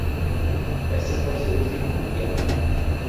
Este fue su último Mundial.